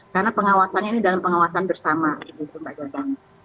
karena pengawasannya ini dalam pengawasan bersama gitu mbak zaza